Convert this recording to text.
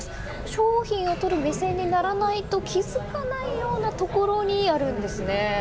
商品を取る目線にならないと気づかないようなところにあるんですね。